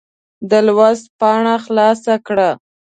د لوست پاڼه خلاصه کړه.